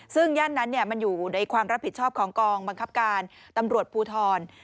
ซึ่งย่านนั้นมันอยู่ในความรับผิดชอบของกองบังคับการตำรวจภูทร